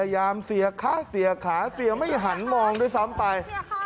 เสียขาเสียโอ้โหนักข่าวพยายามเสียขาเสียขาเสียไม่หันมองด้วยซ้ำไป